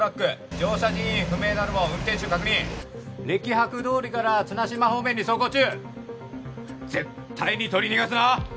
乗車人員不明なるも運転手確認歴博通りから綱島方面に走行中絶対に捕り逃がすな！